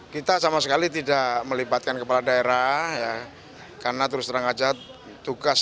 kita sama sekali tidak melibatkan kepala daerah karena terus terang aja tugas